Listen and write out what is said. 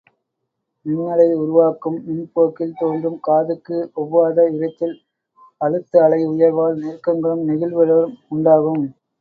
மின்னலை உருவாக்கும் மின்போக்கில் தோன்றும் காதுக்கு ஒவ்வாத இரைச்சல், அழுத்த அலை உயர்வால் நெருக்கங்களும் நெகிழ்வுகளும் உண்டாகும்.